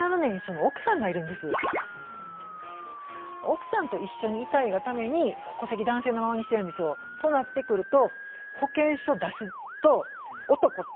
奥さんと一緒にいたいがために戸籍男性のままにしてるんですよ。となってくると保険証出すと「男」ってゴリゴリに書いてるんですよ。